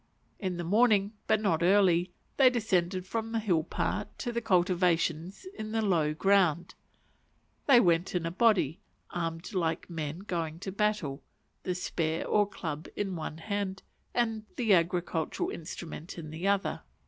In the morning, but not early, they descended from the hill pa to the cultivations in the low ground; they went in a body, armed like men going to battle, the spear or club in one hand, and the agricultural instrument in the other.